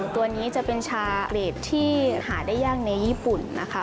ตัวนี้จะเป็นชาเกรดที่หาได้ยากในญี่ปุ่นนะคะ